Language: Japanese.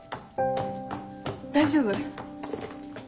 大丈夫？